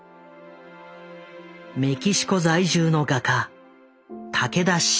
メキシコ在住の画家竹田鎮三郎。